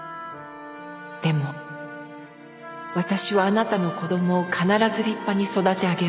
「でも私はあなたの子供を必ず立派に育て上げます」